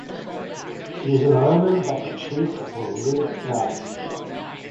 It is an omen that the chief will live long.